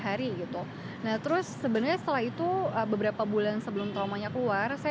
hari gitu nah terus sebenarnya setelah itu beberapa bulan sebelum traumanya keluar saya